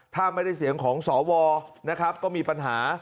ถ้าไม่ได้เสียงของสวก็มีปัญหา